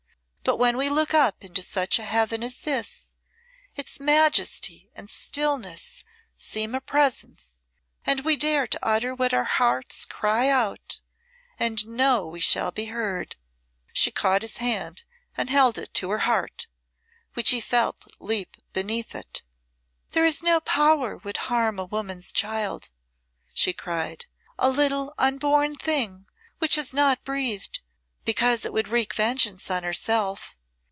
But when we look up into such a Heaven as this, its majesty and stillness seem a presence, and we dare to utter what our hearts cry out, and know we shall be heard." She caught his hand and held it to her heart, which he felt leap beneath it. "There is no power would harm a woman's child," she cried "a little unborn thing which has not breathed because it would wreak vengeance on herself!